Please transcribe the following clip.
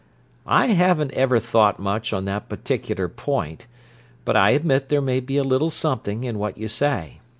"I haven't ever thought much on that particular point, but I admit there may be a little something in what you say.